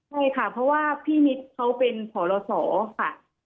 ใช่ค่ะเพราะว่าพี่นิดเขาเป็นผอสอค่ะ